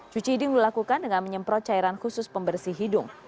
cuci iding dilakukan dengan menyemprot cairan khusus pembersih hidung